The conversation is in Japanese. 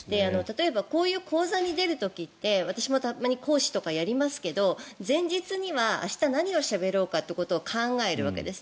こういう講座に出る時って私もたまに講師とかやりますけど前日には明日何をしゃべろうかということを考えるわけです。